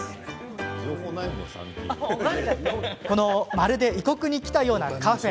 まるで異国に来たようなカフェ。